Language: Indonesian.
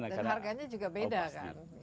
dan harganya juga beda kan